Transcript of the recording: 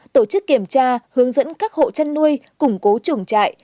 tổ chức kiểm tra hướng dẫn các hộ chăn nuôi củng cố chuồng trại